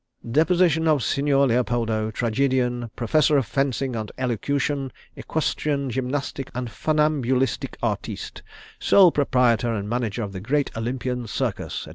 Deposition of Signor Leopoldo, Tragedian; Professor of Fencing and Elocution; Equestrian, Gymnastic, and Funambulistic Artiste; Sole Proprietor and Manager of the Great Olympian Circus, &c.